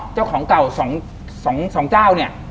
เจ้าของเก่าสองเจ้า